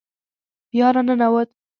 بیا را ننوت.